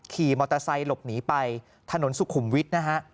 ขี่มอเตอร์ไซค์หลบหนีไปถนนสุขุมวิทย์นะฮะ